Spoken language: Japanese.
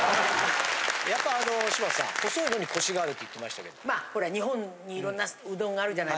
やっぱあの柴田さん細いのにコシがあるって言ってましたけど。